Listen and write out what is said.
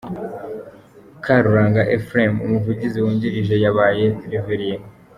Karuranga Ephraim, Umuvugizi Wungirije yabaye Rev.